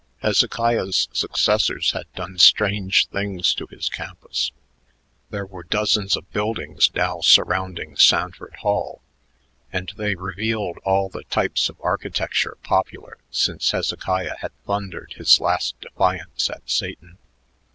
Hezekiah's successors had done strange things to his campus. There were dozens of buildings now surrounding Sanford Hall, and they revealed all the types of architecture popular since Hezekiah had thundered his last defiance at Satan.